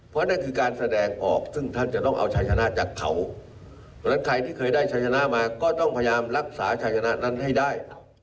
เพราะฉะนั้นใครที่เคยได้ชายชนะมาก็ต้องพยายามรักษาชายชนะนั้นให้ได้